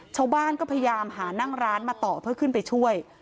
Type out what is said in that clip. ชาวบ้านก็พยายามหานั่งร้านมาต่อเพื่อขึ้นไปช่วย